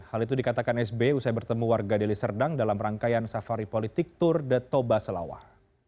hal itu dikatakan sbe usai bertemu warga deli serdang dalam rangkaian safari politik tour de toba selawar